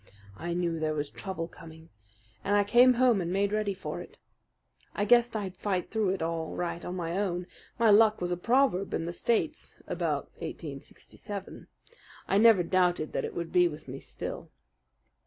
I knew there was trouble coming, and I came home and made ready for it. I guessed I'd fight through it all right on my own, my luck was a proverb in the States about '76. I never doubted that it would be with me still.